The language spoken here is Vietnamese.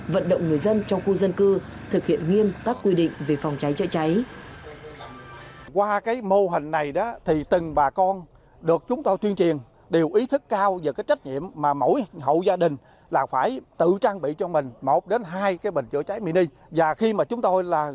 vận động người dân trong khu dân cư thực hiện nguyên tác quy định về phòng cháy chữa cháy